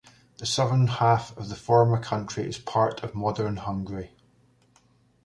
The southern half of the former county is part of modern Hungary.